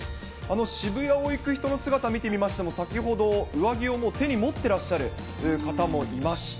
渋谷を行く人の姿、見てみましても、先ほど上着をもう手に持ってらっしゃるという方もいました。